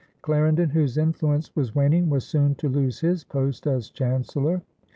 Clarendon, whose influence was waning, was soon to lose his post as Chancellor.